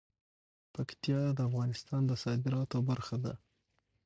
پکتیا د افغانستان د صادراتو برخه ده.